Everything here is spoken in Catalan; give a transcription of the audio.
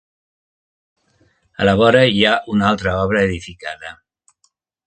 A la vora hi ha una altra obra edificada.